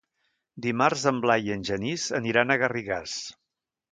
Dimarts en Blai i en Genís aniran a Garrigàs.